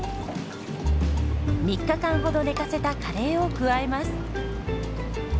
３日間ほど寝かせたカレーを加えます。